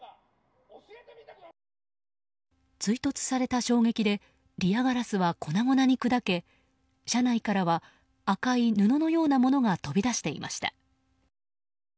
追突された衝撃でリアガラスは粉々に砕け車内からは赤い布のようなものが飛び出していました。